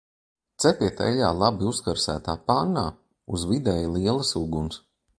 Cepiet eļļā labi uzkarsētā pannā uz vidēji lielas uguns.